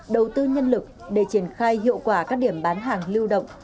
đầu tư nhân lực để triển khai hiệu quả các điểm bán hàng lưu động